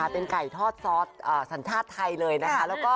เป็นไก่ทอดซอสสัญชาติไทยเลยนะคะ